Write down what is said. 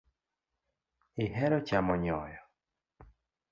Ihero chamo nyoyo .